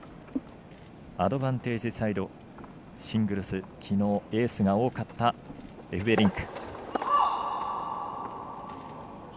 アドバンテージサイドシングルス、きのうエースが多かったエフベリンク。